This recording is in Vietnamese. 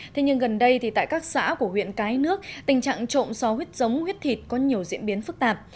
thế nhưng gần đây thì tại các xã của huyện cái nước tình trạng trộm so huyết giống huyết thịt có nhiều diễn biến phức tạp